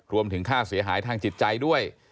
รวมถึงค่าเสียหายทางจิตใจด้วย